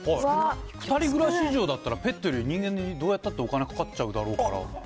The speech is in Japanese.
２人暮らし以上だったら、ペットより人間にどうやったってお金かかっちゃうだろうから。